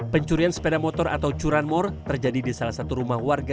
pencurian sepeda motor atau curanmor terjadi di salah satu rumah warga